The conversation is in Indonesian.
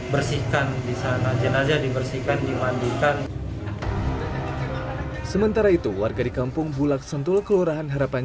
bersihkan bisa najen aja dibersihkan dimandikan sementara itu warga di kampung bulaksentul kelurahan